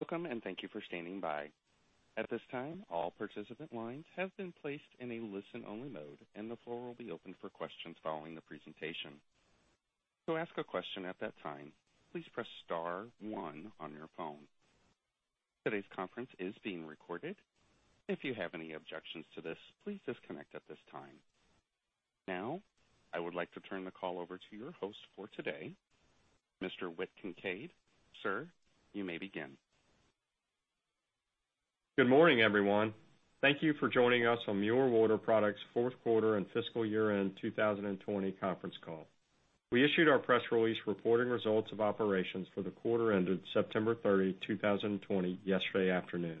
Welcome, and thank you for standing by. At this time, all participant lines have been placed in a listen-only mode, and the floor will be open for questions following the presentation. To ask a question at that time, please press star one on your phone. Today's conference is being recorded. If you have any objections to this, please disconnect at this time. Now, I would like to turn the call over to your host for today, Mr. Whit Kincaid. Sir, you may begin. Good morning, everyone. Thank you for joining us on Mueller Water Products' fourth quarter and fiscal year-end 2020 conference call. We issued our press release reporting results of operations for the quarter ended September 30, 2020 yesterday afternoon.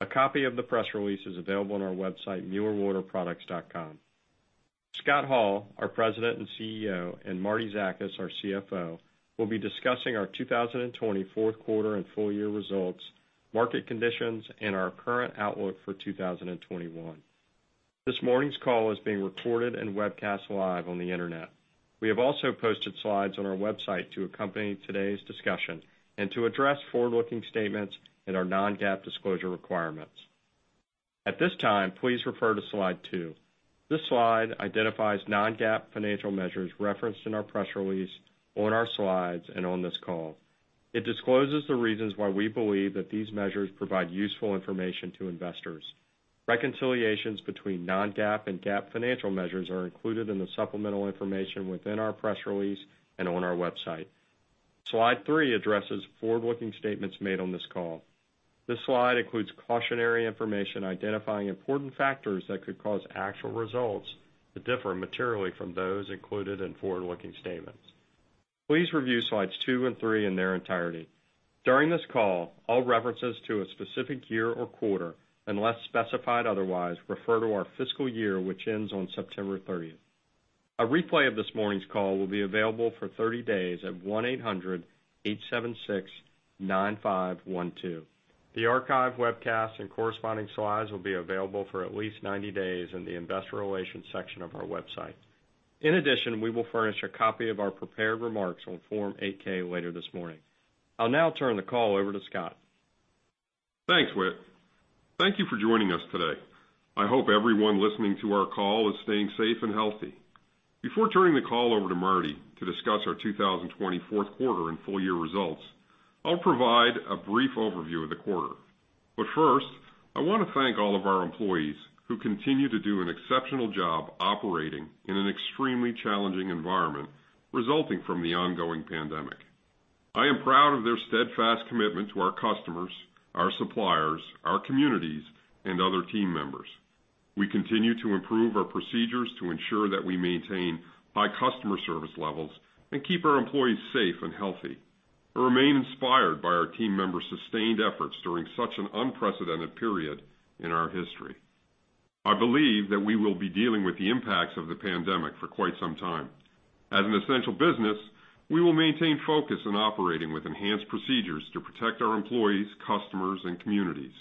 A copy of the press release is available on our website, muellerwaterproducts.com. Scott Hall, our President and CEO, and Marietta Zakas, our CFO, will be discussing our 2020 fourth quarter and full-year results, market conditions, and our current outlook for 2021. This morning's call is being recorded and webcast live on the internet. We have also posted slides on our website to accompany today's discussion and to address forward-looking statements and our Non-GAAP disclosure requirements. At this time, please refer to Slide 2. This slide identifies Non-GAAP financial measures referenced in our press release, on our slides, and on this call. It discloses the reasons why we believe that these measures provide useful information to investors. Reconciliations between Non-GAAP and GAAP financial measures are included in the supplemental information within our press release and on our website. Slide three addresses forward-looking statements made on this call. This slide includes cautionary information identifying important factors that could cause actual results to differ materially from those included in forward-looking statements. Please review Slides two and three in their entirety. During this call, all references to a specific year or quarter, unless specified otherwise, refer to our fiscal year, which ends on September 30th. A replay of this morning's call will be available for 30 days at 1-800-876-9512. The archived webcast and corresponding slides will be available for at least 90 days in the investor relations section of our website. In addition, we will furnish a copy of our prepared remarks on Form 8-K later this morning. I'll now turn the call over to Scott. Thanks, Whit. Thank you for joining us today. I hope everyone listening to our call is staying safe and healthy. Before turning the call over to Marty to discuss our 2020 fourth quarter and full-year results, I'll provide a brief overview of the quarter. First, I want to thank all of our employees who continue to do an exceptional job operating in an extremely challenging environment resulting from the ongoing pandemic. I am proud of their steadfast commitment to our customers, our suppliers, our communities, and other team members. We continue to improve our procedures to ensure that we maintain high customer service levels and keep our employees safe and healthy, and remain inspired by our team members' sustained efforts during such an unprecedented period in our history. I believe that we will be dealing with the impacts of the pandemic for quite some time. As an essential business, we will maintain focus on operating with enhanced procedures to protect our employees, customers, and communities.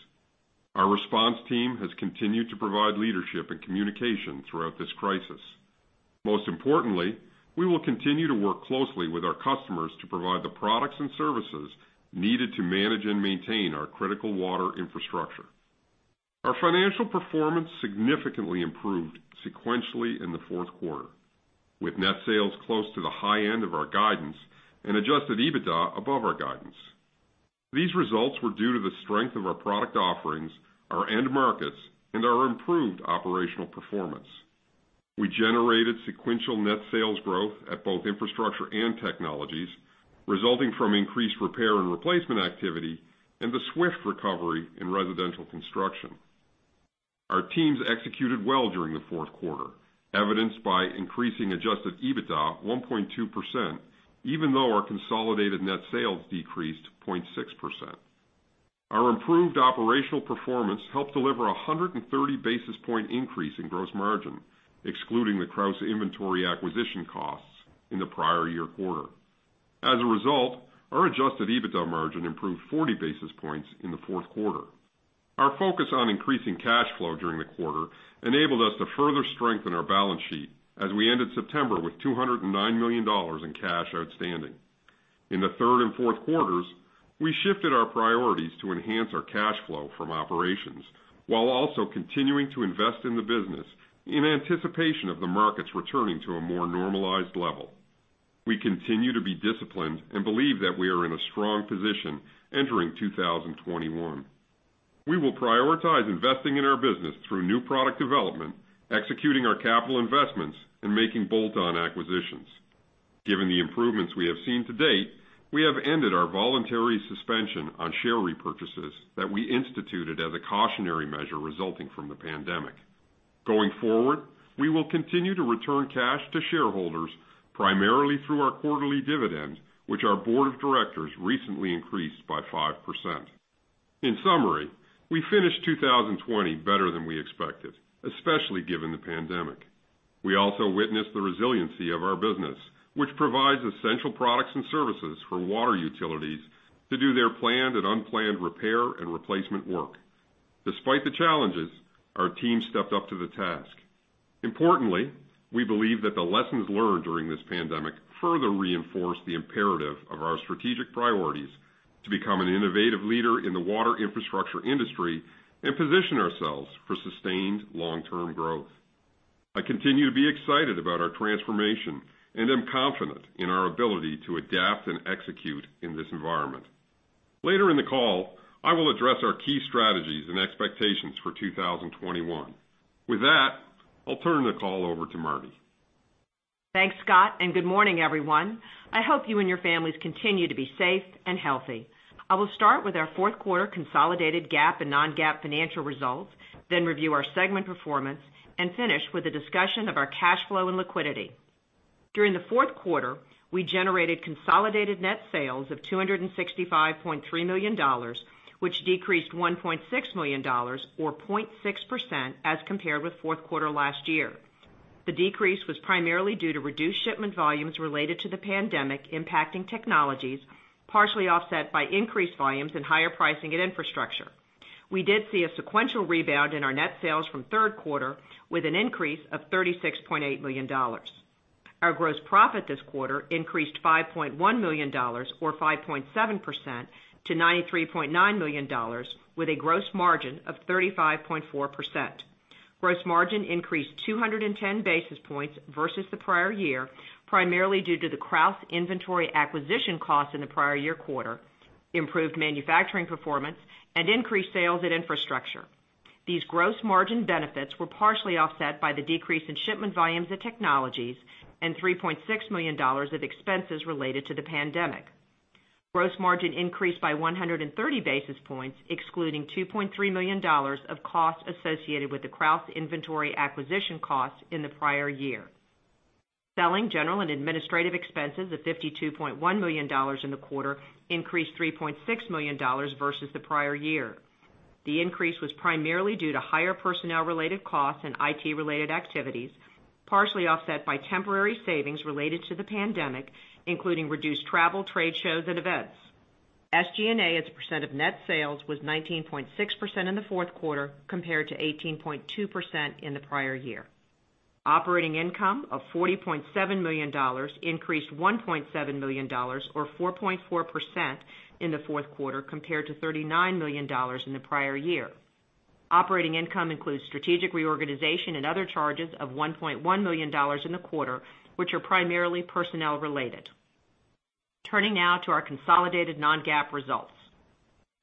Our response team has continued to provide leadership and communication throughout this crisis. Most importantly, we will continue to work closely with our customers to provide the products and services needed to manage and maintain our critical water infrastructure. Our financial performance significantly improved sequentially in the fourth quarter, with net sales close to the high end of our guidance and adjusted EBITDA above our guidance. These results were due to the strength of our product offerings, our end markets, and our improved operational performance. We generated sequential net sales growth at both infrastructure and technologies, resulting from increased repair and replacement activity and the swift recovery in residential construction. Our teams executed well during the fourth quarter, evidenced by increasing adjusted EBITDA 1.2%, even though our consolidated net sales decreased 0.6%. Our improved operational performance helped deliver 130 basis point increase in gross margin, excluding the Krausz inventory acquisition costs in the prior year quarter. As a result, our adjusted EBITDA margin improved 40 basis points in the fourth quarter. Our focus on increasing cash flow during the quarter enabled us to further strengthen our balance sheet as we ended September with $209 million in cash outstanding. In the third and fourth quarters, we shifted our priorities to enhance our cash flow from operations while also continuing to invest in the business in anticipation of the markets returning to a more normalized level. We continue to be disciplined and believe that we are in a strong position entering 2021. We will prioritize investing in our business through new product development, executing our capital investments, and making bolt-on acquisitions. Given the improvements we have seen to date, we have ended our voluntary suspension on share repurchases that we instituted as a cautionary measure resulting from the pandemic. Going forward, we will continue to return cash to shareholders primarily through our quarterly dividends, which our board of directors recently increased by 5%. In summary, we finished 2020 better than we expected, especially given the pandemic. We also witnessed the resiliency of our business, which provides essential products and services for water utilities to do their planned and unplanned repair and replacement work. Despite the challenges, our team stepped up to the task. Importantly, we believe that the lessons learned during this pandemic further reinforce the imperative of our strategic priorities to become an innovative leader in the water infrastructure industry and position ourselves for sustained long-term growth. I continue to be excited about our transformation and am confident in our ability to adapt and execute in this environment. Later in the call, I will address our key strategies and expectations for 2021. With that, I'll turn the call over to Marty. Thanks, Scott. Good morning, everyone. I hope you and your families continue to be safe and healthy. I will start with our fourth quarter consolidated GAAP and Non-GAAP financial results, then review our segment performance, and finish with a discussion of our cash flow and liquidity. During the fourth quarter, we generated consolidated net sales of $265.3 million, which decreased $1.6 million, or 0.6%, as compared with fourth quarter last year. The decrease was primarily due to reduced shipment volumes related to the pandemic impacting technologies, partially offset by increased volumes and higher pricing at infrastructure. We did see a sequential rebound in our net sales from third quarter with an increase of $36.8 million. Our gross profit this quarter increased $5.1 million, or 5.7%, to $93.9 million, with a gross margin of 35.4%. Gross margin increased 210 basis points versus the prior year, primarily due to the Krausz inventory acquisition cost in the prior year quarter, improved manufacturing performance, and increased sales at infrastructure. These gross margin benefits were partially offset by the decrease in shipment volumes at technologies and $3.6 million of expenses related to the pandemic. Gross margin increased by 130 basis points, excluding $2.3 million of costs associated with the Krausz inventory acquisition cost in the prior year. Selling, general, and administrative expenses of $52.1 million in the quarter increased $3.6 million versus the prior year. The increase was primarily due to higher personnel-related costs and IT-related activities, partially offset by temporary savings related to the pandemic, including reduced travel, trade shows, and events. SG&A as a % of net sales was 19.6% in the fourth quarter, compared to 18.2% in the prior year. Operating income of $40.7 million increased $1.7 million, or 4.4%, in the fourth quarter, compared to $30 million in the prior year. Operating income includes strategic reorganization and other charges of $1.1 million in the quarter, which are primarily personnel-related. Turning now to our consolidated Non-GAAP results.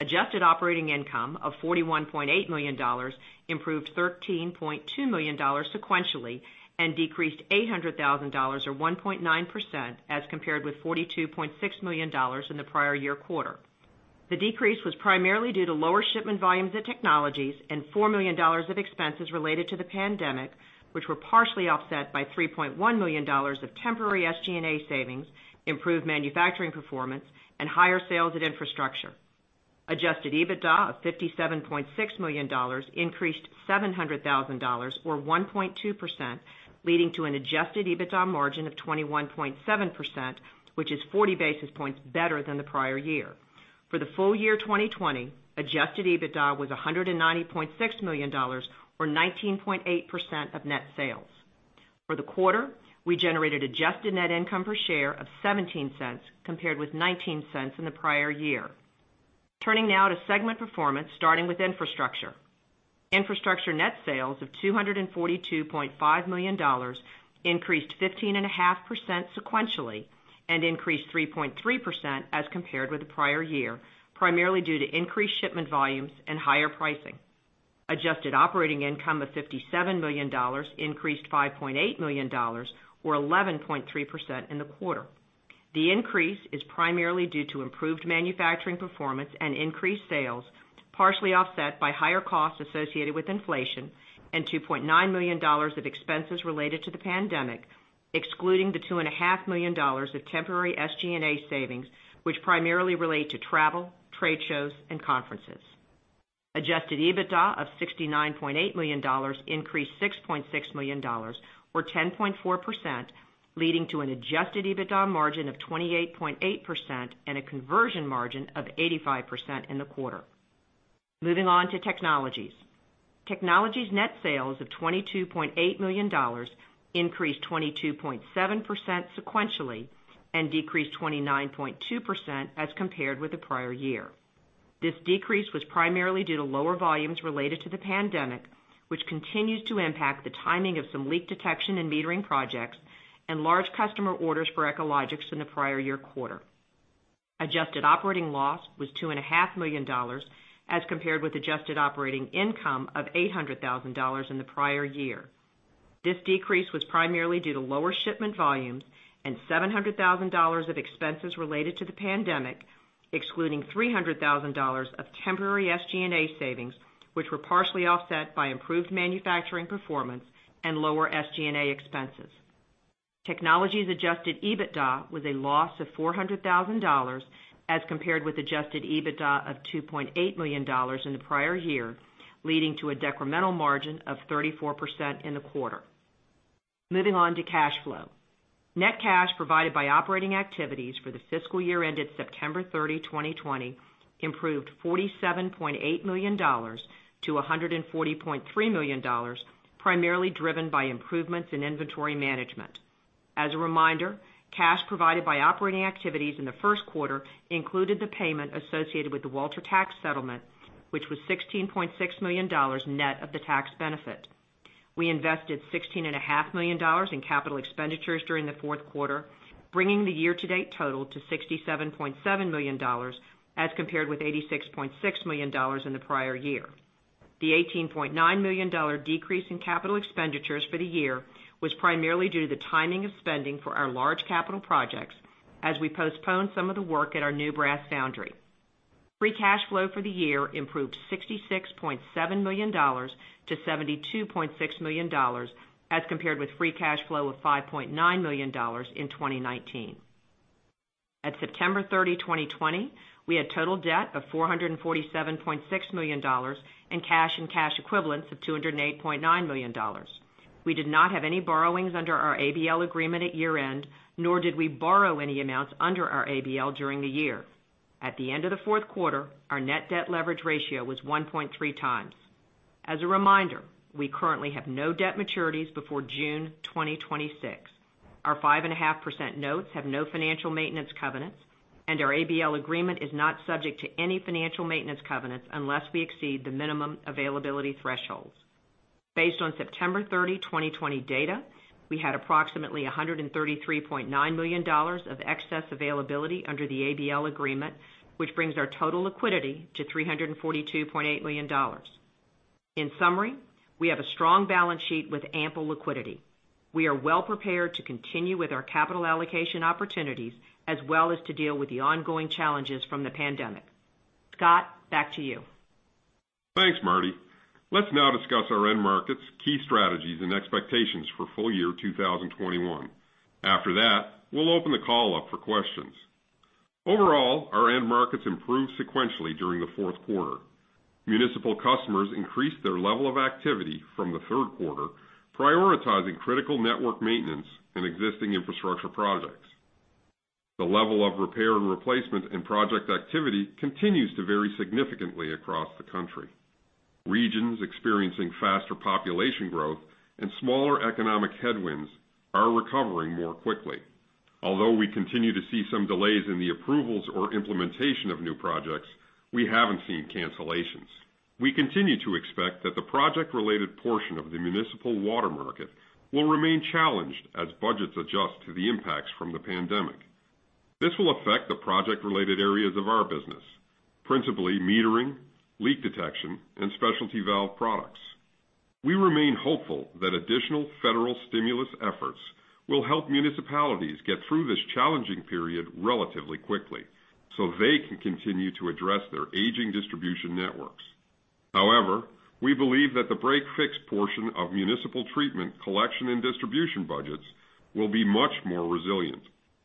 Adjusted operating income of $41.8 million improved $13.2 million sequentially and decreased $800,000, or 1.9%, as compared with $42.6 million in the prior year quarter. The decrease was primarily due to lower shipment volumes at technologies and $4 million of expenses related to the pandemic, which were partially offset by $3.1 million of temporary SG&A savings, improved manufacturing performance, and higher sales at infrastructure. Adjusted EBITDA of $57.6 million increased $700,000, or 1.2%, leading to an adjusted EBITDA margin of 21.7%, which is 40 basis points better than the prior year. For the full year 2020, adjusted EBITDA was $190.6 million, or 19.8% of net sales. For the quarter, we generated adjusted net income per share of $0.17, compared with $0.19 in the prior year. Turning now to segment performance, starting with Infrastructure. Infrastructure net sales of $242.5 million increased 15.5% sequentially and increased 3.3% as compared with the prior year, primarily due to increased shipment volumes and higher pricing. Adjusted operating income of $57 million increased $5.8 million, or 11.3%, in the quarter. The increase is primarily due to improved manufacturing performance and increased sales, partially offset by higher costs associated with inflation and $2.9 million of expenses related to the pandemic, excluding the $2.5 million of temporary SG&A savings, which primarily relate to travel, trade shows, and conferences. Adjusted EBITDA of $69.8 million increased $6.6 million, or 10.4%, leading to an adjusted EBITDA margin of 28.8% and a conversion margin of 85% in the quarter. Moving on to technologies. Technologies net sales of $22.8 million increased 22.7% sequentially and decreased 29.2% as compared with the prior year. This decrease was primarily due to lower volumes related to the pandemic, which continues to impact the timing of some leak detection and metering projects and large customer orders for Echologics in the prior year quarter. Adjusted operating loss was $2.5 million as compared with adjusted operating income of $800,000 in the prior year. This decrease was primarily due to lower shipment volumes and $700,000 of expenses related to the pandemic, excluding $300,000 of temporary SG&A savings, which were partially offset by improved manufacturing performance and lower SG&A expenses. Technologies adjusted EBITDA was a loss of $400,000 as compared with adjusted EBITDA of $2.8 million in the prior year, leading to a decremental margin of 34% in the quarter. Moving on to cash flow. Net cash provided by operating activities for the fiscal year ended September 30th, 2020, improved $47.8 million to $140.3 million, primarily driven by improvements in inventory management. As a reminder, cash provided by operating activities in the first quarter included the payment associated with the Walter tax settlement, which was $16.6 million net of the tax benefit. We invested $16.5 million in capital expenditures during the fourth quarter, bringing the year-to-date total to $67.7 million, as compared with $86.6 million in the prior year. The $18.9 million decrease in capital expenditures for the year was primarily due to the timing of spending for our large capital projects as we postponed some of the work at our new brass foundry. Free cash flow for the year improved $66.7 million to $72.6 million, as compared with free cash flow of $5.9 million in 2019. At September 30, 2020, we had total debt of $447.6 million and cash and cash equivalents of $208.9 million. We did not have any borrowings under our ABL agreement at year-end, nor did we borrow any amounts under our ABL during the year. At the end of the fourth quarter, our net debt leverage ratio was 1.3 times. As a reminder, we currently have no debt maturities before June 2026. Our 5.5% notes have no financial maintenance covenants, and our ABL agreement is not subject to any financial maintenance covenants unless we exceed the minimum availability thresholds. Based on September 30th, 2020, data, we had approximately $133.9 million of excess availability under the ABL agreement, which brings our total liquidity to $342.8 million. In summary, we have a strong balance sheet with ample liquidity. We are well-prepared to continue with our capital allocation opportunities as well as to deal with the ongoing challenges from the pandemic. Scott, back to you. Thanks, Marty. Let's now discuss our end markets, key strategies, and expectations for full year 2021. After that, we'll open the call up for questions. Overall, our end markets improved sequentially during the fourth quarter. Municipal customers increased their level of activity from the third quarter, prioritizing critical network maintenance and existing infrastructure projects. The level of repair and replacement and project activity continues to vary significantly across the country. Regions experiencing faster population growth and smaller economic headwinds are recovering more quickly. We continue to see some delays in the approvals or implementation of new projects, we haven't seen cancellations. We continue to expect that the project-related portion of the municipal water market will remain challenged as budgets adjust to the impacts from the pandemic. This will affect the project-related areas of our business, principally metering, leak detection, an specialty valve products. We remain hopeful that additional federal stimulus efforts will help municipalities get through this challenging period relatively quickly so they can continue to address their aging distribution networks. However, we believe that the break-fix portion of municipal treatment collection and distribution budgets will be much more resilient.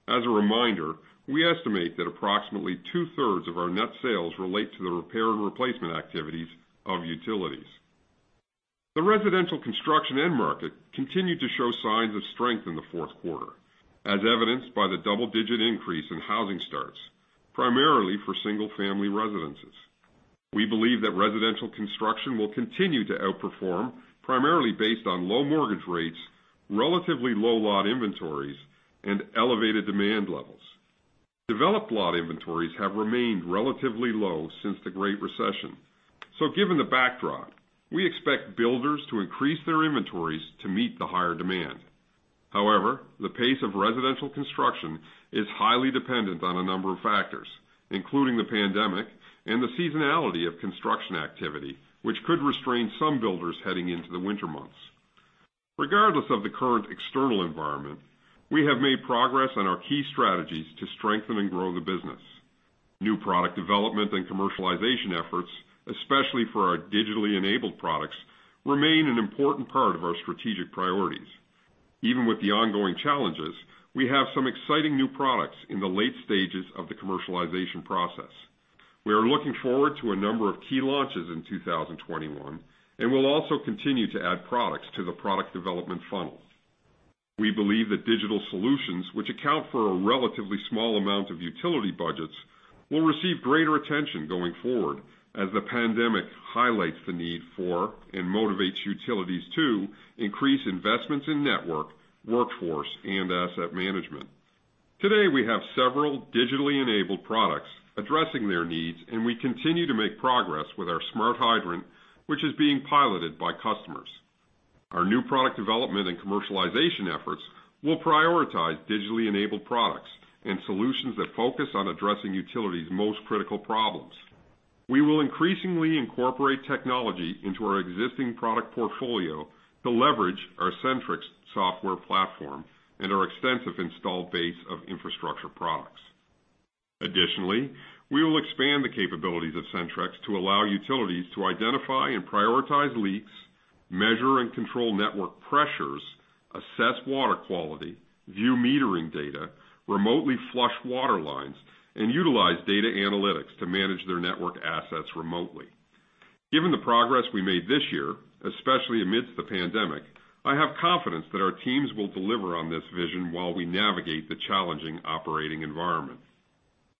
As a reminder, we estimate that approximately 2/3 of our net sales relate to the repair and replacement activities of utilities. The residential construction end market continued to show signs of strength in the fourth quarter, as evidenced by the double-digit increase in housing starts, primarily for single-family residences. We believe that residential construction will continue to outperform, primarily based on low mortgage rates, relatively low lot inventories, and elevated demand levels. Developed lot inventories have remained relatively low since the Great Recession. Given the backdrop, we expect builders to increase their inventories to meet the higher demand. However, the pace of residential construction is highly dependent on a number of factors, including the pandemic and the seasonality of construction activity, which could restrain some builders heading into the winter months. Regardless of the current external environment, we have made progress on our key strategies to strengthen and grow the business. New product development and commercialization efforts, especially for our digitally enabled products, remain an important part of our strategic priorities. Even with the ongoing challenges, we have some exciting new products in the late stages of the commercialization process. We are looking forward to a number of key launches in 2021, and we'll also continue to add products to the product development funnel. We believe that digital solutions, which account for a relatively small amount of utility budgets, will receive greater attention going forward as the pandemic highlights the need for and motivates utilities to increase investments in network, workforce, and asset management. Today, we have several digitally enabled products addressing their needs, and we continue to make progress with our smart hydrant, which is being piloted by customers. Our new product development and commercialization efforts will prioritize digitally enabled products and solutions that focus on addressing utilities' most critical problems. We will increasingly incorporate technology into our existing product portfolio to leverage our Sentryx software platform and our extensive installed base of infrastructure products. Additionally, we will expand the capabilities of Sentryx to allow utilities to identify and prioritize leaks, measure and control network pressures, assess water quality, view metering data, remotely flush water lines, and utilize data analytics to manage their network assets remotely. Given the progress we made this year, especially amidst the pandemic, I have confidence that our teams will deliver on this vision while we navigate the challenging operating environment.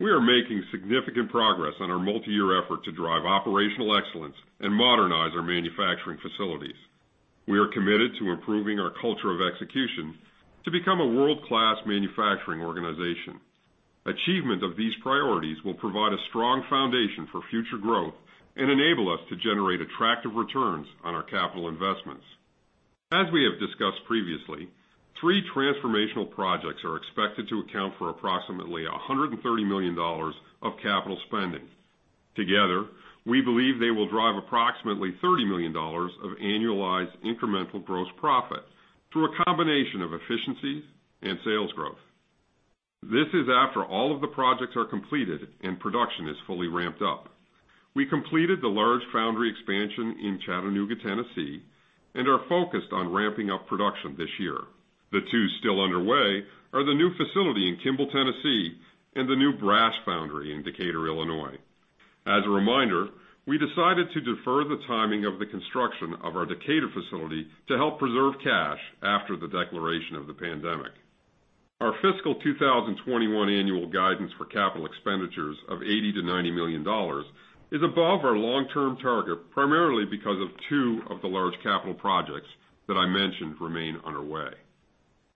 We are making significant progress on our multi-year effort to drive operational excellence and modernize our manufacturing facilities. We are committed to improving our culture of execution to become a world-class manufacturing organization. Achievement of these priorities will provide a strong foundation for future growth and enable us to generate attractive returns on our capital investments. As we have discussed previously, three transformational projects are expected to account for approximately $130 million of capital spending. Together, we believe they will drive approximately $30 million of annualized incremental gross profit through a combination of efficiencies and sales growth. This is after all of the projects are completed and production is fully ramped up. We completed the large foundry expansion in Chattanooga, Tennessee, and are focused on ramping up production this year. The two still underway are the new facility in Kimball, Tennessee, and the new brass foundry in Decatur, Illinois. As a reminder, we decided to defer the timing of the construction of our Decatur facility to help preserve cash after the declaration of the pandemic. Our fiscal 2021 annual guidance for capital expenditures of $80 million-$90 million is above our long-term target, primarily because of two of the large capital projects that I mentioned remain underway.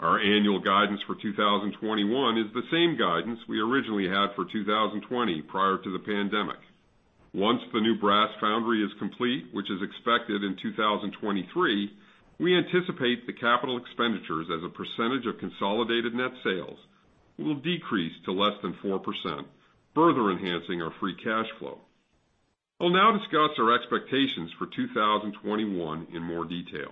Our annual guidance for 2021 is the same guidance we originally had for 2020 prior to the pandemic. Once the new brass foundry is complete, which is expected in 2023, we anticipate the capital expenditures as a percentage of consolidated net sales will decrease to less than 4%, further enhancing our free cash flow. I'll now discuss our expectations for 2021 in more detail.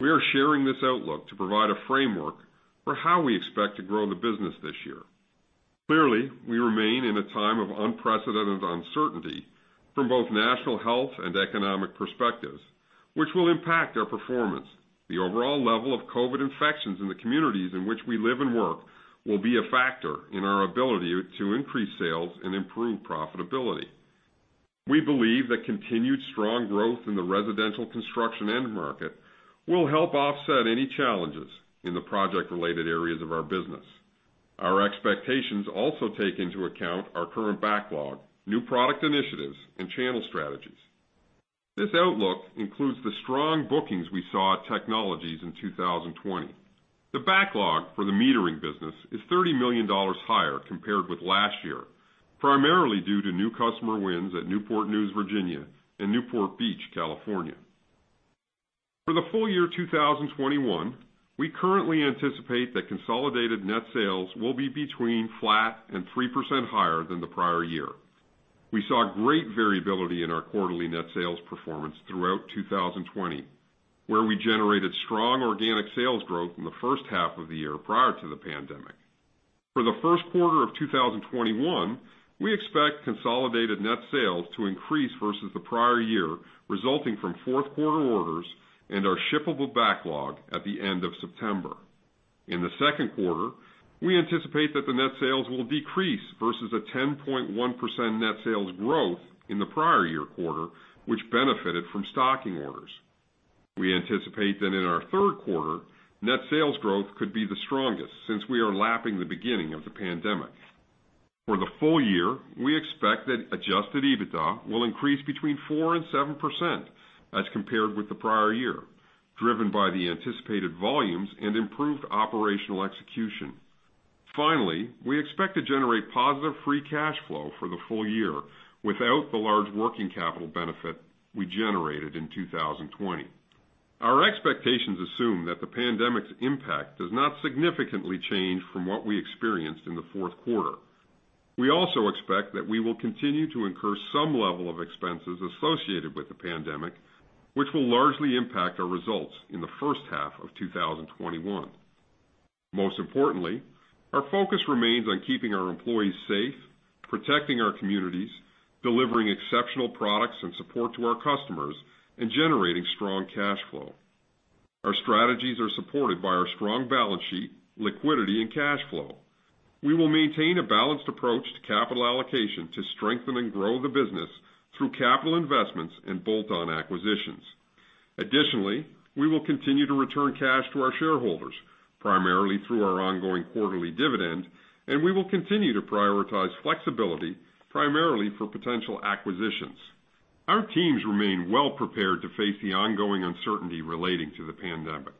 We are sharing this outlook to provide a framework for how we expect to grow the business this year. Clearly, we remain in a time of unprecedented uncertainty from both national health and economic perspectives, which will impact our performance. The overall level of COVID infections in the communities in which we live and work will be a factor in our ability to increase sales and improve profitability. We believe that continued strong growth in the residential construction end market will help offset any challenges in the project-related areas of our business. Our expectations also take into account our current backlog, new product initiatives, and channel strategies. This outlook includes the strong bookings we saw at Technologies in 2020. The backlog for the metering business is $30 million higher compared with last year, primarily due to new customer wins at Newport News, Virginia, and Newport Beach, California. For the full year 2021, we currently anticipate that consolidated net sales will be between flat and 3% higher than the prior year. We saw great variability in our quarterly net sales performance throughout 2020, where we generated strong organic sales growth in the first half of the year, prior to the pandemic. For the first quarter of 2021, we expect consolidated net sales to increase versus the prior year, resulting from fourth quarter orders and our shippable backlog at the end of September. In the second quarter, we anticipate that the net sales will decrease versus a 10.1% net sales growth in the prior year quarter, which benefited from stocking orders. We anticipate that in our third quarter, net sales growth could be the strongest since we are lapping the beginning of the pandemic. We expect that adjusted EBITDA will increase between 4% and 7% as compared with the prior year, driven by the anticipated volumes and improved operational execution. We expect to generate positive free cash flow for the full year without the large working capital benefit we generated in 2020. Our expectations assume that the pandemic's impact does not significantly change from what we experienced in the fourth quarter. We also expect that we will continue to incur some level of expenses associated with the pandemic, which will largely impact our results in the first half of 2021. Most importantly, our focus remains on keeping our employees safe, protecting our communities, delivering exceptional products and support to our customers, and generating strong cash flow. Our strategies are supported by our strong balance sheet, liquidity, and cash flow. We will maintain a balanced approach to capital allocation to strengthen and grow the business through capital investments and bolt-on acquisitions. Additionally, we will continue to return cash to our shareholders, primarily through our ongoing quarterly dividend, and we will continue to prioritize flexibility, primarily for potential acquisitions. Our teams remain well prepared to face the ongoing uncertainty relating to the pandemic,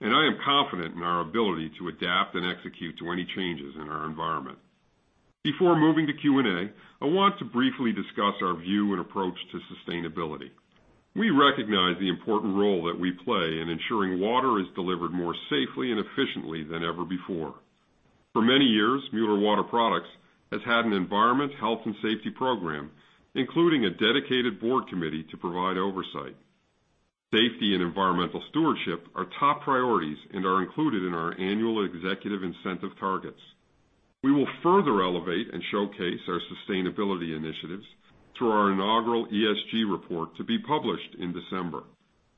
and I am confident in our ability to adapt and execute to any changes in our environment. Before moving to Q&A, I want to briefly discuss our view and approach to sustainability. We recognize the important role that we play in ensuring water is delivered more safely and efficiently than ever before. For many years, Mueller Water Products has had an environment, health, and safety program, including a dedicated board committee to provide oversight. Safety and environmental stewardship are top priorities and are included in our annual executive incentive targets. We will further elevate and showcase our sustainability initiatives through our inaugural ESG report to be published in December.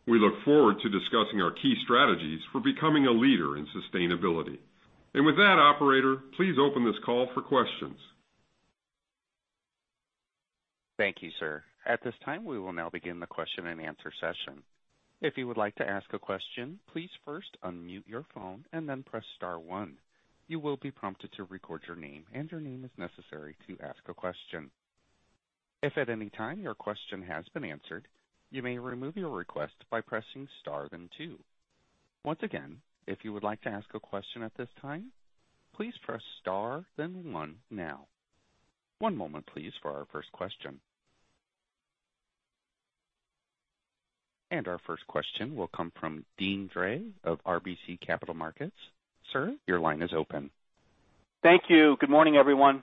We look forward to discussing our key strategies for becoming a leader in sustainability. With that, operator, please open this call for questions. Thank you, sir. At this time, we will now begin the question and answer session. One moment, please, for our first question. Our first question will come from Deane Dray of RBC Capital Markets. Sir, your line is open. Thank you. Good morning, everyone.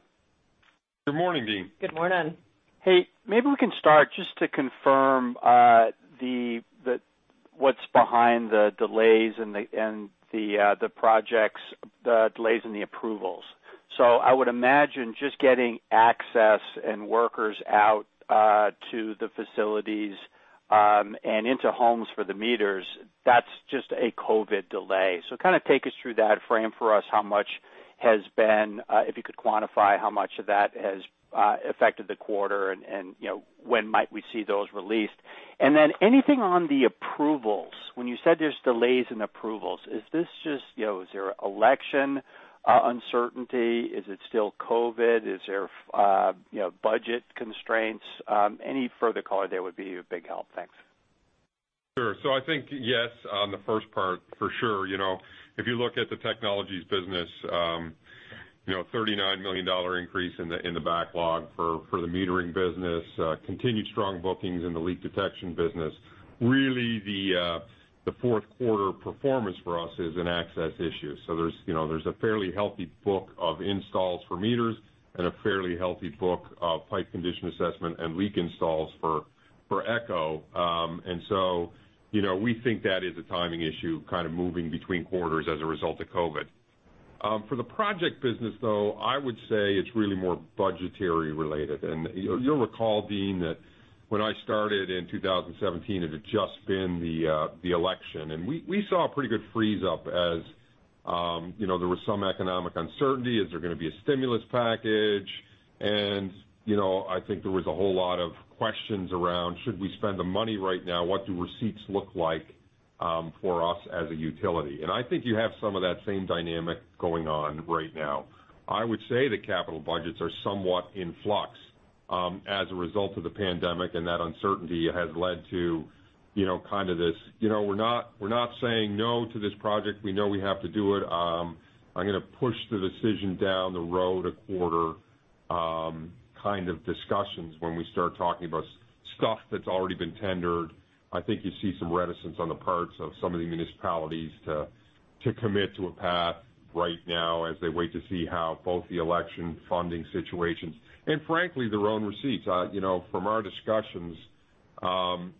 Good morning, Deane Dray. Good morning. Hey, maybe we can start just to confirm what's behind the delays in the projects, the delays in the approvals. I would imagine just getting access and workers out to the facilities and into homes for the meters, that's just a COVID delay. Kind of take us through that frame for us, if you could quantify how much of that has affected the quarter and when might we see those released. Anything on the approvals. When you said there's delays in approvals, is there election uncertainty? Is it still COVID? Is there budget constraints? Any further color there would be a big help. Thanks. Sure. I think, yes, on the first part, for sure. If you look at the technologies business, $30 million increase in the backlog for the metering business, continued strong bookings in the leak detection business. Really, the fourth quarter performance for us is an access issue. There's a fairly healthy book of installs for meters and a fairly healthy book of pipe condition assessment and leak installs for Echo. We think that is a timing issue, kind of moving between quarters as a result of COVID. For the project business, though, I would say it's really more budgetary related. You'll recall, Deane Dray, that when I started in 2017, it had just been the election, and we saw a pretty good freeze up as there was some economic uncertainty. Is there going to be a stimulus package? I think there was a whole lot of questions around should we spend the money right now? What do receipts look like for us as a utility? I think you have some of that same dynamic going on right now. I would say the capital budgets are somewhat in flux as a result of the pandemic, and that uncertainty has led to kind of this, "We're not saying no to this project. We know we have to do it. I'm going to push the decision down the road a quarter," kind of discussions when we start talking about stuff that's already been tendered. I think you see some reticence on the parts of some of the municipalities to commit to a path right now as they wait to see how both the election funding situations and frankly, their own receipts. From our discussions,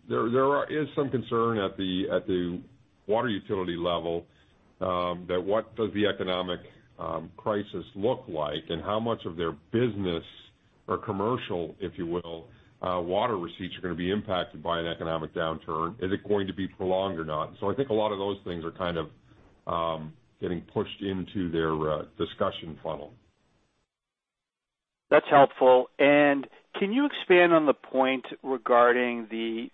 there is some concern at the water utility level that what does the economic crisis look like and how much of their business or commercial, if you will, water receipts are going to be impacted by an economic downturn. Is it going to be prolonged or not? I think a lot of those things are kind of getting pushed into their discussion funnel. That's helpful. Can you expand on the point regarding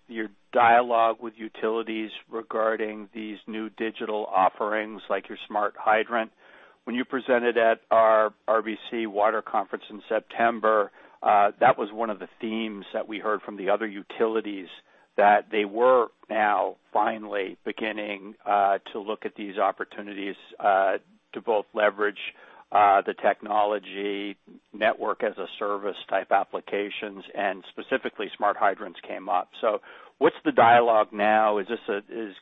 your dialogue with utilities regarding these new digital offerings like your smart hydrant? When you presented at our RBC Capital Markets Future of Water Conference in September, that was one of the themes that we heard from the other utilities, that they were now finally beginning to look at these opportunities, to both leverage the technology network as a service type applications and specifically smart hydrants came up. What's the dialogue now? Is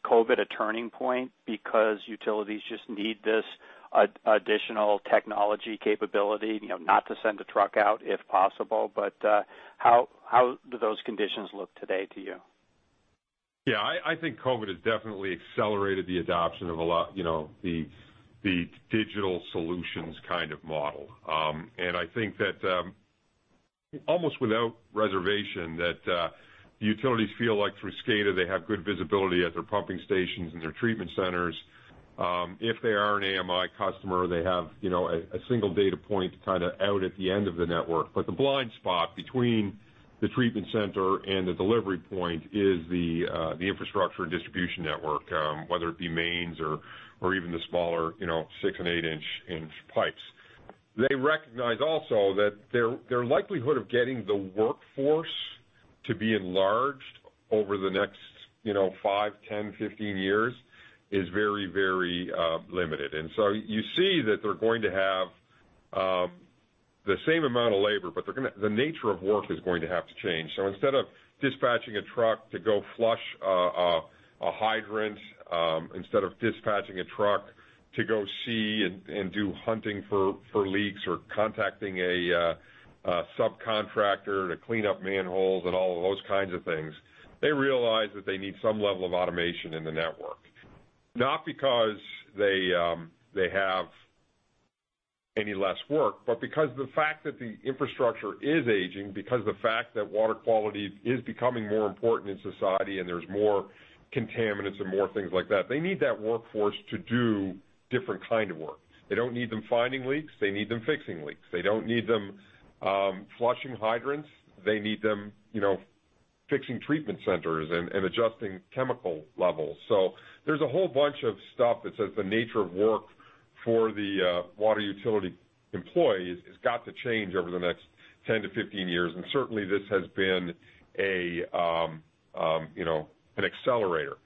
COVID a turning point because utilities just need this additional technology capability, not to send a truck out if possible, but how do those conditions look today to you? Yeah, I think COVID has definitely accelerated the adoption of a lot, the digital solutions kind of model. I think that almost without reservation, that utilities feel like through SCADA, they have good visibility at their pumping stations and their treatment centers. If they are an AMI customer, they have a single data point kind of out at the end of the network. The blind spot between the treatment center and the delivery point is the infrastructure and distribution network, whether it be mains or even the smaller, six- and eight-inch pipes. They recognize also that their likelihood of getting the workforce to be enlarged over the next five, 10, 15 years is very limited. You see that they're going to have the same amount of labor, but the nature of work is going to have to change. Instead of dispatching a truck to go flush a hydrant, instead of dispatching a truck to go see and do hunting for leaks or contacting a subcontractor to clean up manholes and all of those kinds of things, they realize that they need some level of automation in the network, not because they have any less work. Because the fact that the infrastructure is aging, because the fact that water quality is becoming more important in society and there's more contaminants and more things like that, they need that workforce to do different kind of work. They don't need them finding leaks, they need them fixing leaks. They don't need them flushing hydrants, they need them fixing treatment centers and adjusting chemical levels. There's a whole bunch of stuff that says the nature of work for the water utility employees has got to change over the next 10 years-15 years. Certainly this has been an accelerator.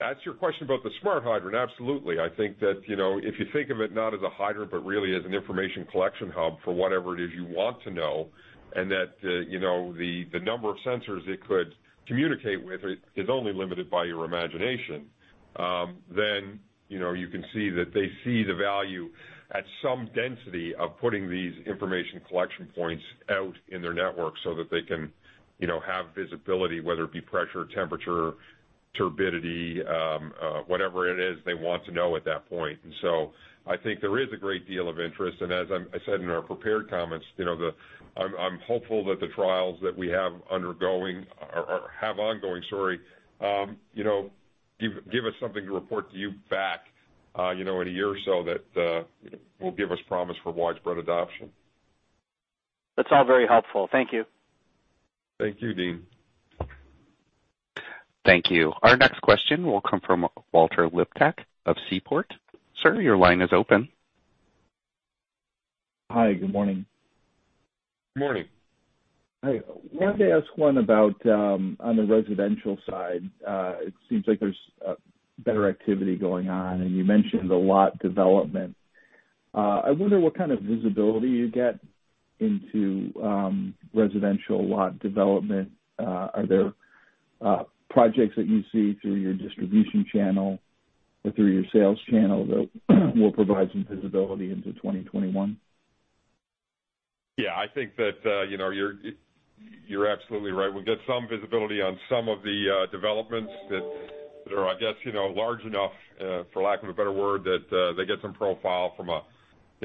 To answer your question about the smart hydrant, absolutely. I think that if you think of it not as a hydrant, but really as an information collection hub for whatever it is you want to know, and that the number of sensors it could communicate with is only limited by your imagination, then you can see that they see the value at some density of putting these information collection points out in their network so that they can have visibility, whether it be pressure, temperature, turbidity, whatever it is they want to know at that point. I think there is a great deal of interest, and as I said in our prepared comments, I'm hopeful that the trials that we have ongoing give us something to report to you back in a year or so that will give us promise for widespread adoption. That's all very helpful. Thank you. Thank you, Deane Dray. Thank you. Our next question will come from Walter Liptak of Seaport. Sir, your line is open. Hi. Good morning. Morning. Hi. Wanted to ask one about on the residential side. It seems like there's better activity going on, and you mentioned the lot development. I wonder what kind of visibility you get into residential lot development. Are there projects that you see through your distribution channel or through your sales channel that will provide some visibility into 2021? Yeah, I think that you're absolutely right. We get some visibility on some of the developments that are, I guess, large enough, for lack of a better word, that they get some profile from a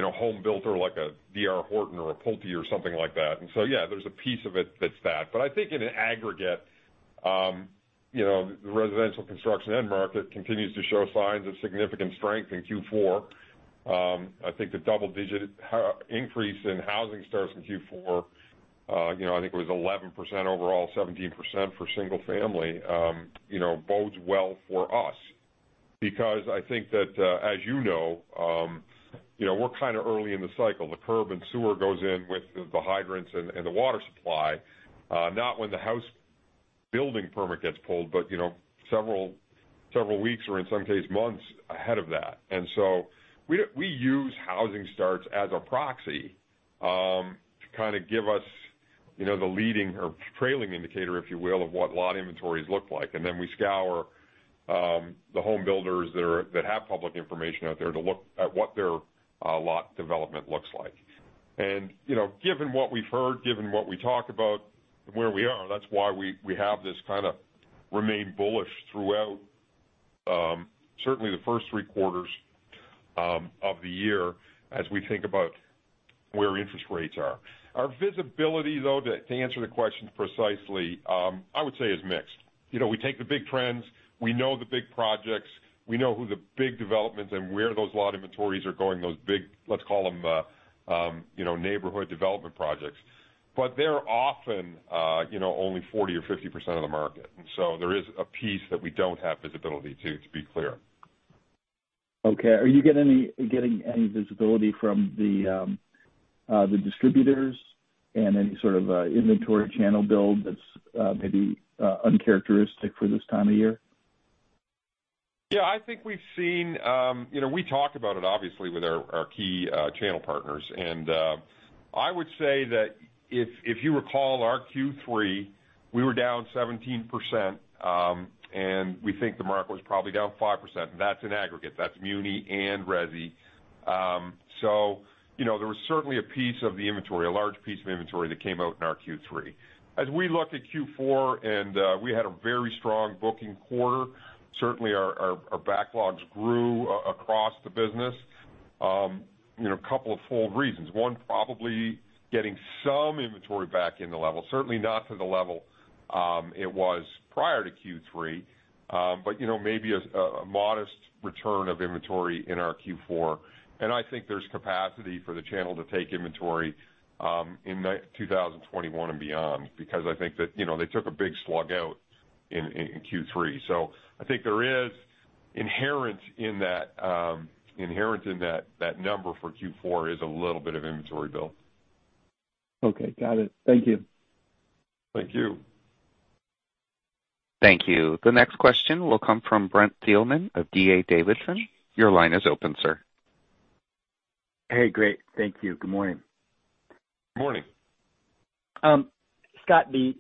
home builder like a D.R. Horton or a PulteGroup or something like that. Yeah, there's a piece of it that's that. I think in an aggregate, the residential construction end market continues to show signs of significant strength in Q4. I think the double-digit increase in housing starts in Q4, I think it was 11% overall, 17% for single family bodes well for us because I think that, as you know, we're kind of early in the cycle. The curb and sewer goes in with the hydrants and the water supply, not when the house building permit gets pulled, but several weeks or in some cases, months ahead of that. We use housing starts as a proxy to kind of give us the leading or trailing indicator, if you will, of what lot inventories look like. We scour the home builders that have public information out there to look at what their lot development looks like. Given what we've heard, given what we talk about and where we are, that's why we have this kind of remain bullish throughout, certainly the first three quarters of the year as we think about where interest rates are. Our visibility, though, to answer the question precisely, I would say is mixed. We take the big trends, we know the big projects, we know who the big developments are and where those lot inventories are going, those big, let's call them, neighborhood development projects. They're often only 40% or 50% of the market. There is a piece that we don't have visibility to be clear. Okay. Are you getting any visibility from the distributors and any sort of inventory channel build that's maybe uncharacteristic for this time of year? Yeah, I think we talk about it obviously with our key channel partners. I would say that if you recall our Q3, we were down 17%, and we think the market was probably down 5%, and that's in aggregate, that's muni and resi. There was certainly a piece of the inventory, a large piece of inventory that came out in our Q3. As we look at Q4, we had a very strong booking quarter, certainly our backlogs grew across the business a couple of fold reasons. One, probably getting some inventory back in the level, certainly not to the level it was prior to Q3, but maybe a modest return of inventory in our Q4. I think there's capacity for the channel to take inventory in 2021 and beyond because I think that they took a big slug out in Q3. I think there is inherent in that number for Q4 is a little bit of inventory build. Okay. Got it. Thank you. Thank you. Thank you. The next question will come from Brent Thielman of D.A. Davidson. Your line is open, sir. Hey, great. Thank you. Good morning. Morning. Scott, the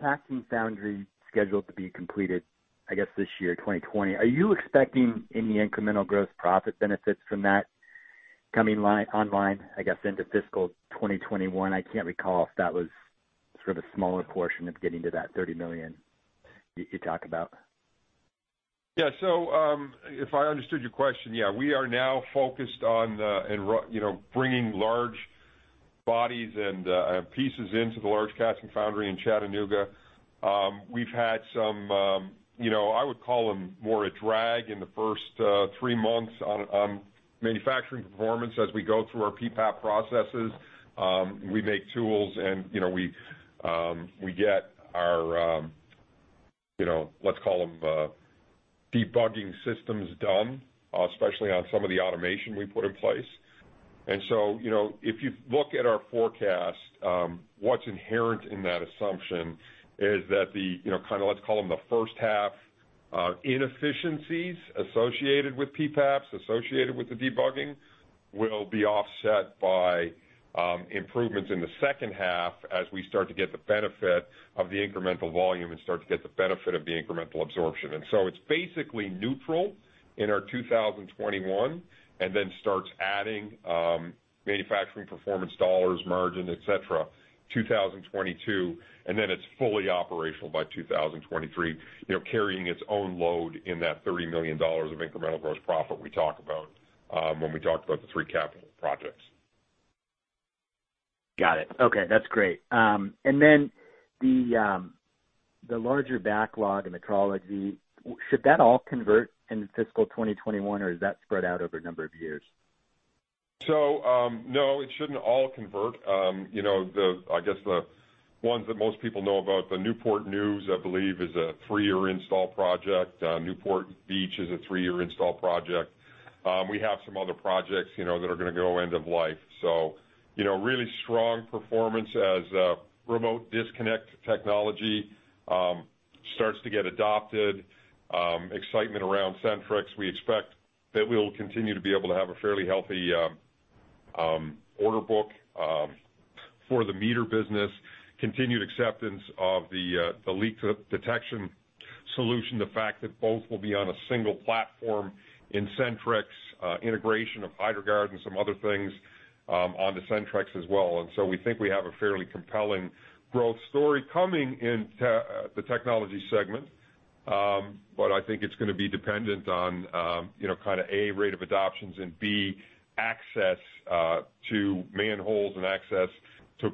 casting foundry scheduled to be completed, I guess, this year, 2020. Are you expecting any incremental gross profit benefits from that coming online, I guess, into fiscal 2021? I can't recall if that was sort of a smaller portion of getting to that $30 million you talk about. Yeah. If I understood your question, yeah, we are now focused on bringing large bodies and pieces into the large casting foundry in Chattanooga. We've had some, I would call them more a drag in the first three months on manufacturing performance as we go through our PPAP processes. We make tools and we get our, let's call them debugging systems done, especially on some of the automation we put in place. If you look at our forecast, what's inherent in that assumption is that the, let's call them the first half inefficiencies associated with PPAPs, associated with the debugging, will be offset by improvements in the second half as we start to get the benefit of the incremental volume and start to get the benefit of the incremental absorption. It's basically neutral in our 2021, and then starts adding manufacturing performance dollars, margin, et cetera, 2022, and then it's fully operational by 2023, carrying its own load in that $30 million of incremental gross profit we talk about when we talked about the three capital projects. Got it. Okay, that's great. The larger backlog in the technology, should that all convert into fiscal 2021, or is that spread out over a number of years? No, it shouldn't all convert. I guess the ones that most people know about, the Newport News, I believe, is a three-year install project. Newport Beach is a three-year install project. We have some other projects that are going to go end of life. Really strong performance as remote disconnect technology starts to get adopted, excitement around Sentryx. We expect that we'll continue to be able to have a fairly healthy order book for the meter business, continued acceptance of the leak detection solution, the fact that both will be on a single platform in Sentryx, integration of Hydro-Guard and some other things onto Sentryx as well. We think we have a fairly compelling growth story coming in the technology segment. I think it's going to be dependent on kind of, A, rate of adoptions, and B, access to manholes and access to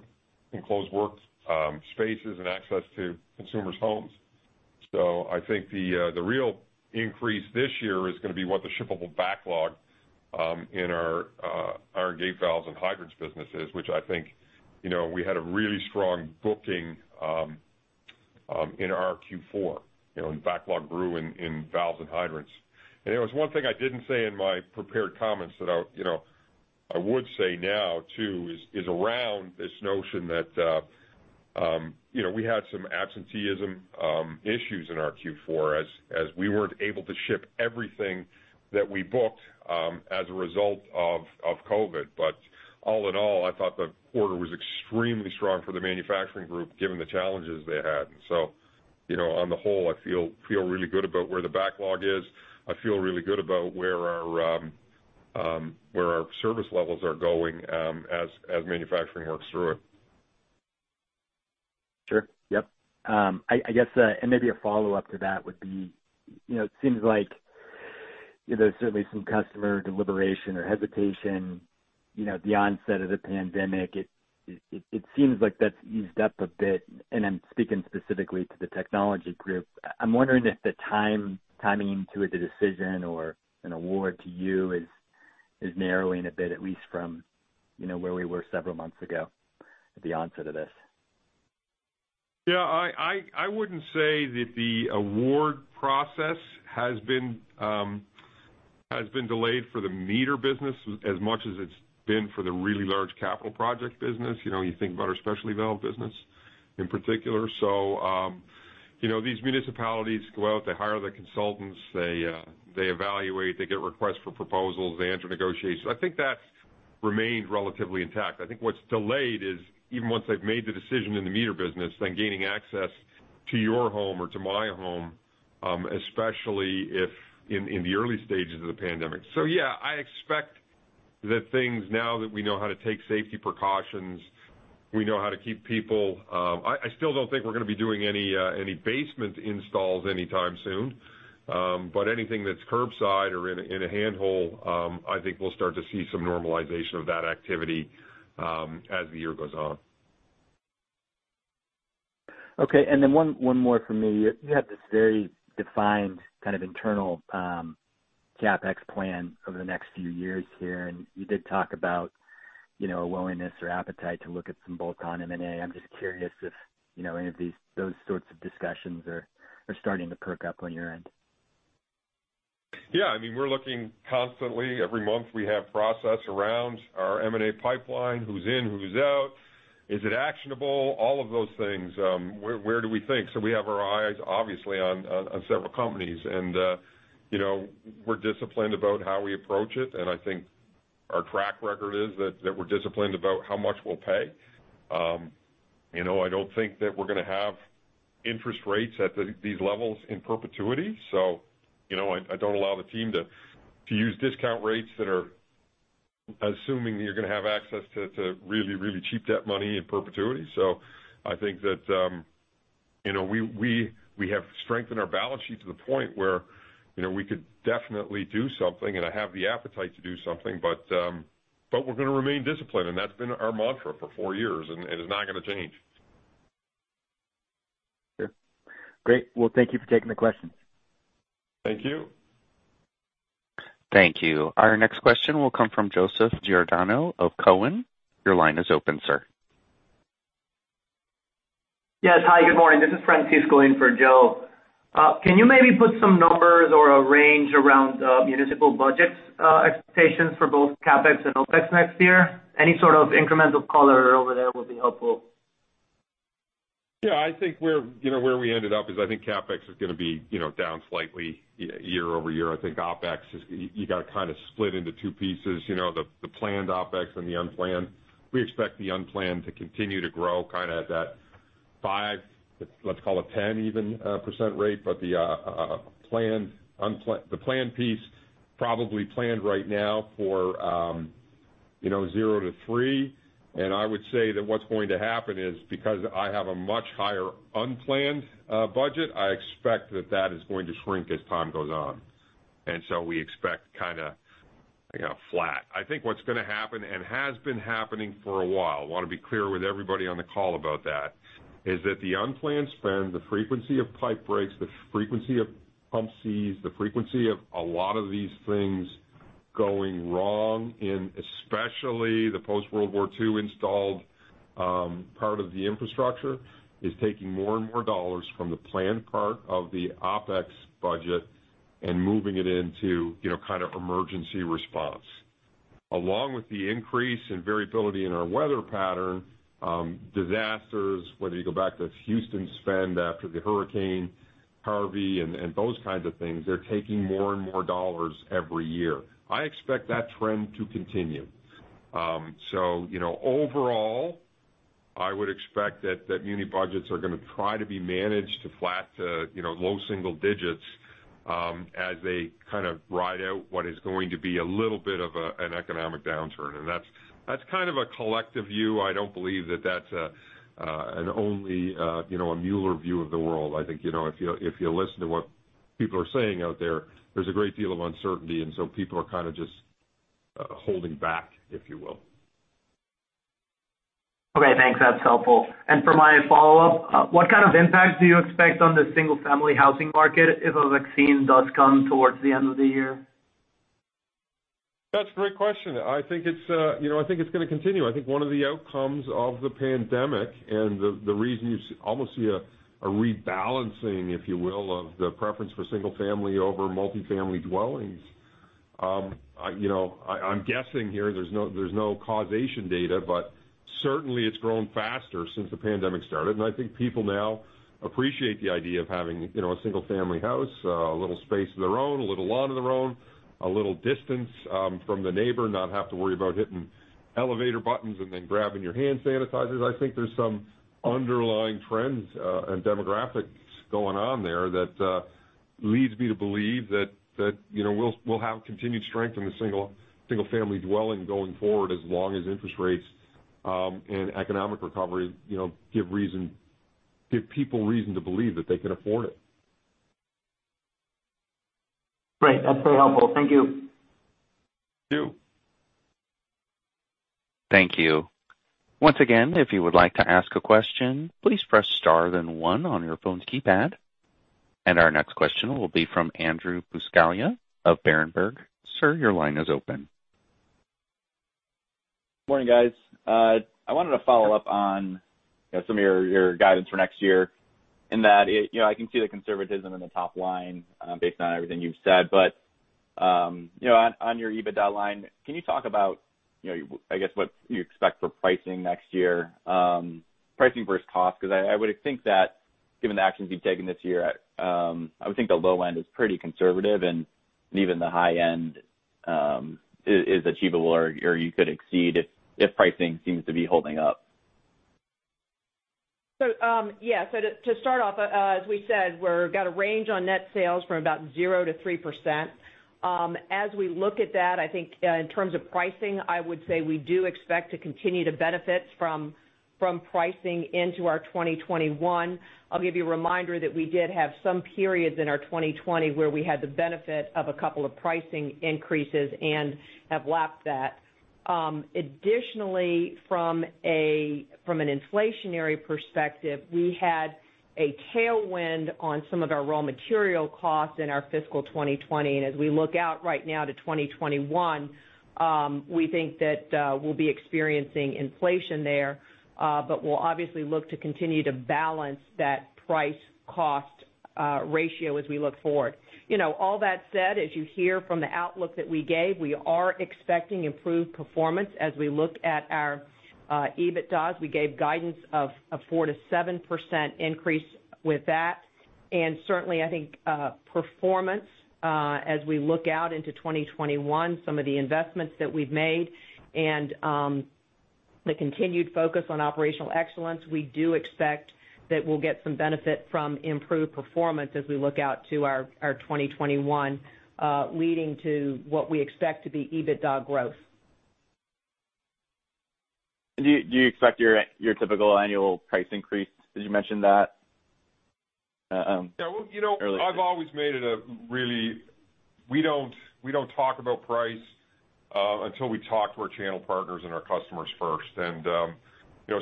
enclosed work spaces and access to consumers' homes. I think the real increase this year is going to be what the shippable backlog in our iron gate valves and hydrants business is, which I think, we had a really strong booking in our Q4. Backlog grew in valves and hydrants. There was one thing I didn't say in my prepared comments that I would say now, too, is around this notion that we had some absenteeism issues in our Q4 as we weren't able to ship everything that we booked as a result of COVID. All in all, I thought the quarter was extremely strong for the manufacturing group, given the challenges they had. On the whole, I feel really good about where the backlog is. I feel really good about where our service levels are going as manufacturing works through it. Sure. Yep. I guess, maybe a follow-up to that would be, it seems like there's certainly some customer deliberation or hesitation, the onset of the pandemic. It seems like that's eased up a bit, and I'm speaking specifically to the technology group. I'm wondering if the timing to a decision or an award to you is narrowing a bit, at least from where we were several months ago at the onset of this. Yeah, I wouldn't say that the award process has been delayed for the meter business as much as it's been for the really large capital project business. You think about our specialty valve business in particular. These municipalities go out, they hire the consultants, they evaluate, they get requests for proposals, they enter negotiations. I think that's remained relatively intact. I think what's delayed is even once they've made the decision in the meter business, then gaining access to your home or to my home, especially in the early stages of the pandemic. Yeah, I expect that things, now that we know how to take safety precautions, we know how to keep people. I still don't think we're going to be doing any basement installs anytime soon. Anything that's curbside or in a manhole, I think we'll start to see some normalization of that activity as the year goes on. Okay, one more from me. You have this very defined kind of internal CapEx plan over the next few years here, and you did talk about a willingness or appetite to look at some bolt-on M&A. I'm just curious if any of those sorts of discussions are starting to perk up on your end? Yeah. I mean, we're looking constantly. Every month we have process around our M&A pipeline, who's in, who's out, is it actionable, all of those things. Where do we think? We have our eyes, obviously, on several companies and we're disciplined about how we approach it, and I think our track record is that we're disciplined about how much we'll pay. I don't think that we're going to have interest rates at these levels in perpetuity, so I don't allow the team to use discount rates assuming that you're going to have access to really cheap debt money in perpetuity. I think that we have strengthened our balance sheet to the point where we could definitely do something, and I have the appetite to do something, but we're going to remain disciplined, and that's been our mantra for four years, and it is not going to change. Sure. Great. Well, thank you for taking the question. Thank you. Thank you. Our next question will come from Joseph Giordano of Cowen. Your line is open, sir. Yes. Hi, good morning. This is Francisco in for Joe. Can you maybe put some numbers or a range around municipal budgets expectations for both CapEx and OpEx next year? Any sort of incremental color over there will be helpful. Yeah, I think where we ended up is, I think CapEx is going to be down slightly year-over-year. I think OpEx, you got to split into two pieces, the planned OpEx and the unplanned. We expect the unplanned to continue to grow at that 5%, let's call it 10% even, rate. The planned piece probably planned right now for zero to 3%. I would say that what's going to happen is, because I have a much higher unplanned budget, I expect that that is going to shrink as time goes on. We expect kind of flat. I think what's going to happen, and has been happening for a while, want to be clear with everybody on the call about that, is that the unplanned spend, the frequency of pipe breaks, the frequency of pump seals, the frequency of a lot of these things going wrong in especially the post-World War II installed part of the infrastructure, is taking more and more dollars from the planned part of the OpEx budget and moving it into emergency response. Along with the increase in variability in our weather pattern, disasters, whether you go back to Houston spend after the Hurricane Harvey and those kinds of things, they're taking more and more dollars every year. I expect that trend to continue. Overall, I would expect that muni budgets are going to try to be managed to flat to low single digits as they ride out what is going to be a little bit of an economic downturn. That's kind of a collective view. I don't believe that that's a Mueller view of the world. I think, if you listen to what people are saying out there's a great deal of uncertainty, people are kind of just holding back, if you will. Okay, thanks. That's helpful. For my follow-up, what kind of impact do you expect on the single-family housing market if a vaccine does come towards the end of the year? That's a great question. I think it's going to continue. I think one of the outcomes of the pandemic and the reason you almost see a rebalancing, if you will, of the preference for single family over multifamily dwellings. I'm guessing here, there's no causation data, but certainly it's grown faster since the pandemic started, and I think people now appreciate the idea of having a single family house, a little space of their own, a little lawn of their own, a little distance from the neighbor, not have to worry about hitting elevator buttons and then grabbing your hand sanitizers. I think there's some underlying trends and demographics going on there that leads me to believe that we'll have continued strength in the single family dwelling going forward as long as interest rates and economic recovery give people reason to believe that they can afford it. Great. That's very helpful. Thank you. Thank you. Thank you. Once again, if you would like to ask a question, please press star then one on your phone's keypad. Our next question will be from Andrew Buscaglia of Berenberg. Sir, your line is open. Morning, guys. I wanted to follow up on some of your guidance for next year in that I can see the conservatism in the top line based on everything you've said. On your EBITDA line, can you talk about, I guess, what you expect for pricing next year? Pricing versus cost, because I would think that given the actions you've taken this year, I would think the low end is pretty conservative and even the high end is achievable or you could exceed if pricing seems to be holding up. Yeah. To start off, as we said, we've got a range on net sales from about 0-3%. As we look at that, I think in terms of pricing, I would say we do expect to continue to benefit from pricing into our 2021. I'll give you a reminder that we did have some periods in our 2020 where we had the benefit of a couple of pricing increases and have lapped that. Additionally, from an inflationary perspective, we had a tailwind on some of our raw material costs in our fiscal 2020. As we look out right now to 2021, we think that we'll be experiencing inflation there, but we'll obviously look to continue to balance that price cost ratio as we look forward. All that said, as you hear from the outlook that we gave, we are expecting improved performance as we look at our EBITDA. We gave guidance of a 4%-7% increase with that. Certainly, I think performance as we look out into 2021, some of the investments that we've made and the continued focus on operational excellence, we do expect that we'll get some benefit from improved performance as we look out to our 2021, leading to what we expect to be EBITDA growth. Do you expect your typical annual price increase? Did you mention that earlier? Yeah. We don't talk about price until we talk to our channel partners and our customers first.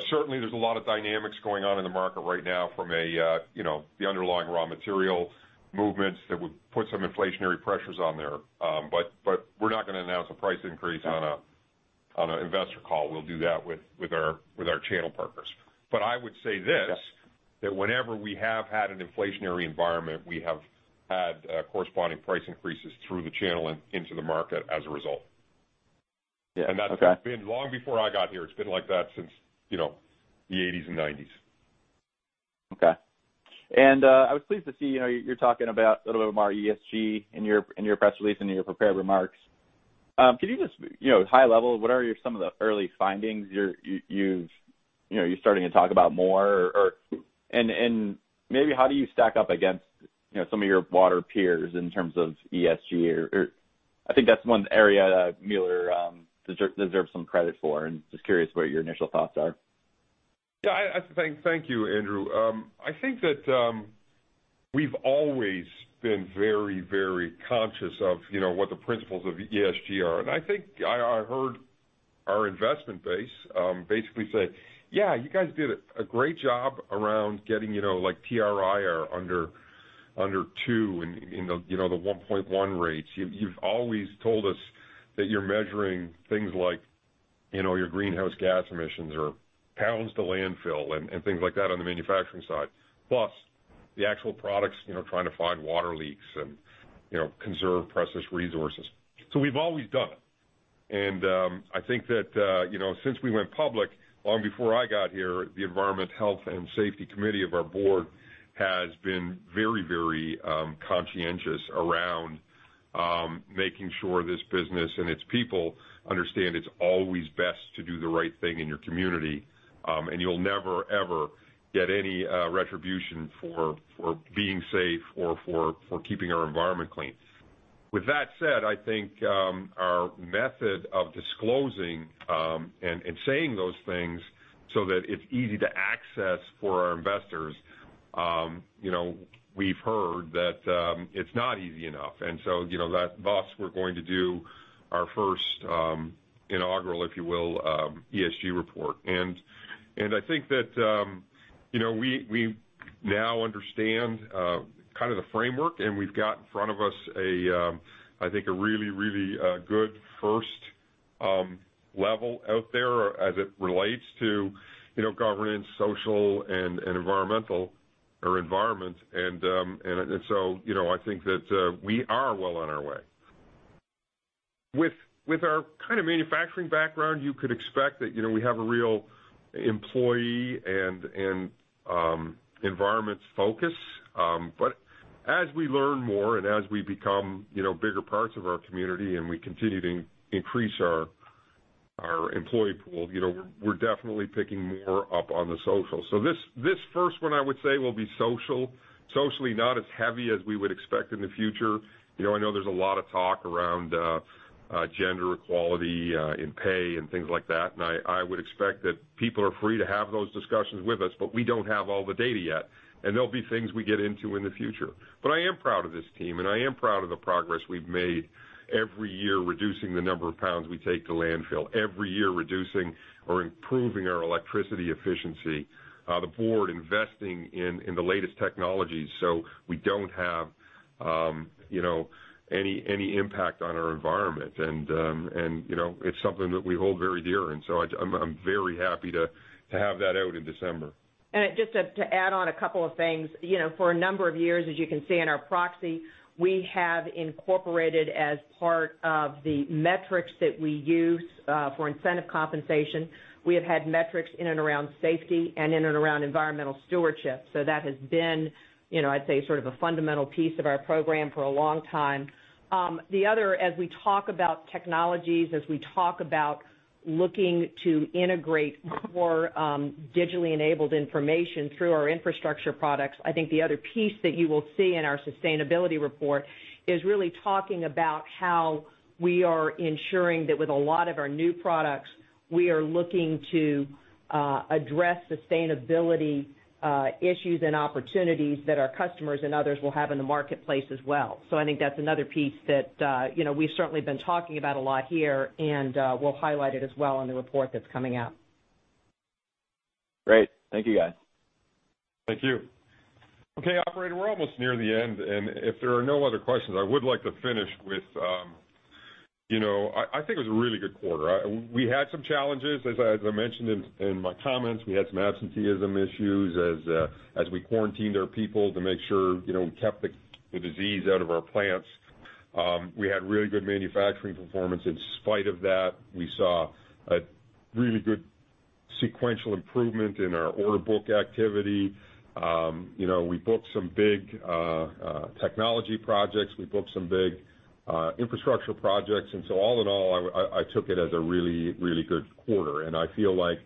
Certainly, there's a lot of dynamics going on in the market right now from the underlying raw material movements that would put some inflationary pressures on there. We're not going to announce a price increase on an investor call. We'll do that with our channel partners. I would say this. Yeah. Whenever we have had an inflationary environment, we have had corresponding price increases through the channel and into the market as a result. Yeah. Okay. That's been long before I got here. It's been like that since the '80s and '90s. Okay. I was pleased to see you're talking about a little bit more ESG in your press release and your prepared remarks. Could you just, high level, what are some of the early findings you're starting to talk about more? Maybe how do you stack up against some of your broader peers in terms of ESG? I think that's one area that Mueller deserves some credit for, and just curious what your initial thoughts are. Yeah. Thank you, Andrew. I think that we've always been very conscious of what the principles of ESG are. I think I heard our investment base basically say, "Yeah, you guys did a great job around getting TRIR under two in the 1.1 rates." You've always told us that you're measuring things like your greenhouse gas emissions, or pounds to landfill, and things like that on the manufacturing side. The actual products, trying to find water leaks and conserve precious resources. We've always done it. I think that since we went public, long before I got here, the Environment, Health, and Safety Committee of our board has been very conscientious around making sure this business and its people understand it's always best to do the right thing in your community. You'll never, ever get any retribution for being safe or for keeping our environment clean. With that said, I think our method of disclosing and saying those things so that it's easy to access for our investors, we've heard that it's not easy enough. Thus, we're going to do our first inaugural, if you will, ESG report. I think that we now understand kind of the framework, and we've got in front of us, I think, a really good first level out there as it relates to governance, social, and environmental or environment. I think that we are well on our way. With our kind of manufacturing background, you could expect that we have a real employee and environment focus. As we learn more and as we become bigger parts of our community and we continue to increase our employee pool, we're definitely picking more up on the social. This first one, I would say, will be socially not as heavy as we would expect in the future. I know there's a lot of talk around gender equality in pay and things like that. I would expect that people are free to have those discussions with us, but we don't have all the data yet. There'll be things we get into in the future. I am proud of this team, and I am proud of the progress we've made every year, reducing the number of pounds we take to landfill. Every year, reducing or improving our electricity efficiency. The board investing in the latest technologies so we don't have any impact on our environment. It's something that we hold very dear. I'm very happy to have that out in December. Just to add on a couple of things. For a number of years, as you can see in our proxy, we have incorporated as part of the metrics that we use for incentive compensation. We have had metrics in and around safety and in and around environmental stewardship. That has been, I'd say, sort of a fundamental piece of our program for a long time. The other, as we talk about technologies, as we talk about looking to integrate more digitally enabled information through our infrastructure products, I think the other piece that you will see in our sustainability report is really talking about how we are ensuring that with a lot of our new products, we are looking to address sustainability issues and opportunities that our customers and others will have in the marketplace as well. I think that's another piece that we've certainly been talking about a lot here, and we'll highlight it as well in the report that's coming out. Great. Thank you, guys. Thank you. Okay, operator, we're almost near the end. If there are no other questions, I would like to finish with, I think it was a really good quarter. We had some challenges, as I mentioned in my comments. We had some absenteeism issues as we quarantined our people to make sure we kept the disease out of our plants. We had really good manufacturing performance. In spite of that, we saw a really good sequential improvement in our order book activity. We booked some big technology projects. We booked some big infrastructure projects. All in all, I took it as a really good quarter. I feel like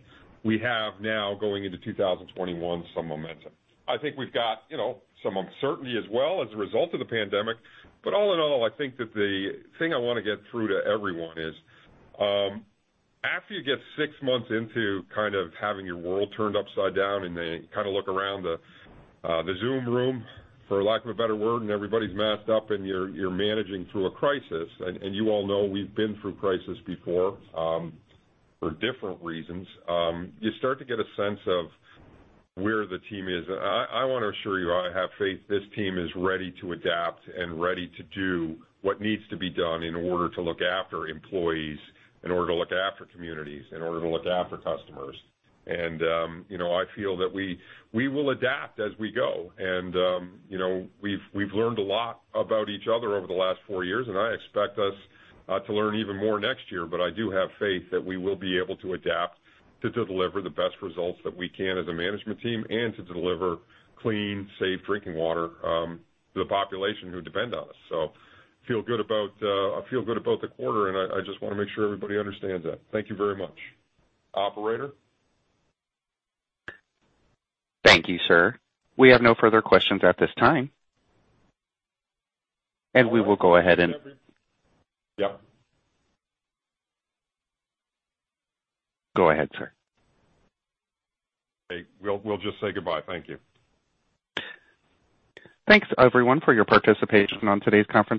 we have now, going into 2021, some momentum. I think we've got some uncertainty as well as a result of the pandemic. All in all, I think that the thing I want to get through to everyone is, after you get six months into kind of having your world turned upside down, and then kind of look around the Zoom room, for lack of a better word, and everybody's masked up and you're managing through a crisis, and you all know we've been through crisis before for different reasons. You start to get a sense of where the team is. I want to assure you, I have faith this team is ready to adapt and ready to do what needs to be done in order to look after employees, in order to look after communities, in order to look after customers. I feel that we will adapt as we go. We've learned a lot about each other over the last four years, and I expect us to learn even more next year. I do have faith that we will be able to adapt to deliver the best results that we can as a management team and to deliver clean, safe drinking water to the population who depend on us. I feel good about the quarter, and I just want to make sure everybody understands that. Thank you very much. Operator? Thank you, sir. We have no further questions at this time. Jeffrey? Yep. Go ahead, sir. Okay. We'll just say goodbye. Thank you. Thanks, everyone, for your participation on today's conference call.